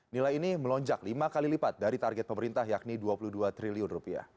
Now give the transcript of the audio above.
nilai ini melonjak lima kali lipat dari target pemerintah yakni rp dua puluh dua triliun